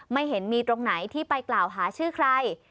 ไม่เห็นมีตรงไหนที่ไปกล่าวหาชื่อใคร